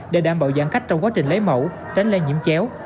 để đảm bảo giãn cách trong quá trình lấy mẫu tránh lây nhiễm chéo